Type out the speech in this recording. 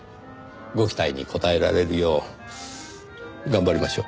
ご期待に応えられるよう頑張りましょう。